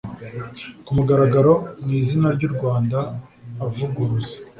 ku mugaragaro mu izina ry'u rwanda avuguruza